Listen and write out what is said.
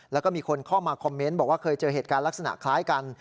แล้วก็มีคนเข้ามาคอมเมนต์บอกว่าเคยเจอเหตุการณ์ลักษณะคล้ายกัน